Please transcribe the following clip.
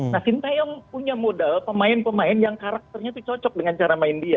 nah sintayong punya modal pemain pemain yang karakternya itu cocok dengan cara main dia